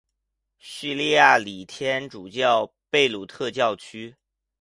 叙利亚礼天主教贝鲁特教区。